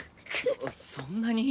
そそんなに？